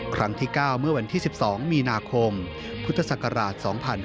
ครั้งที่๙เมื่อวันที่๑๒มีนาคมพุทธศักราช๒๕๕๙